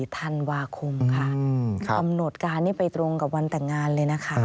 ธันวาคมค่ะกำหนดการนี้ไปตรงกับวันแต่งงานเลยนะคะ